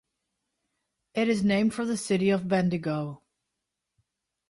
It is named for the city of Bendigo.